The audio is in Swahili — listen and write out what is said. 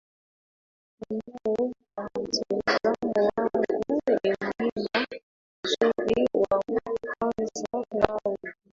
ambao kwa mtizamo wangu ni Mlima mzuri wa kuanza nao